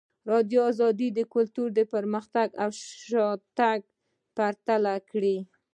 ازادي راډیو د کلتور پرمختګ او شاتګ پرتله کړی.